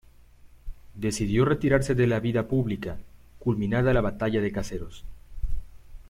Decidió retirarse de la vida pública culminada la Batalla de Caseros.